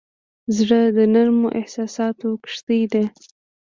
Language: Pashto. زړه د نرمو احساساتو کښتۍ ده.